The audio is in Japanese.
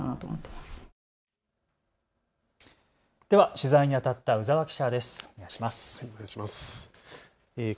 取材にあたった鵜澤記者です。